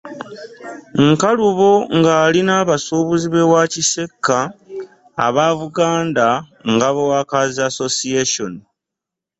Nkalubo ng’ali n’abasuubuzi b’ewa Kisekka, aba Buganda Ngabo Workers Association.